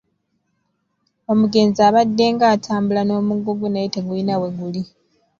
Omugenzi abaddenga atambula n’omuggo gwe naye tegulina we guli.